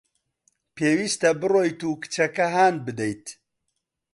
پێویستە بڕۆیت و کچەکە هان بدەیت.